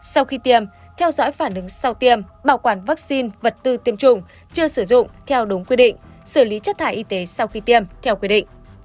sau khi tiêm theo dõi phản ứng sau tiêm bảo quản vaccine vật tư tiêm chủng chưa sử dụng theo đúng quy định xử lý chất thải y tế sau khi tiêm theo quy định